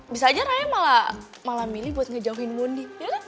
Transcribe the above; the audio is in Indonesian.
bisa aja raya malah milih buat ngejauhin mundi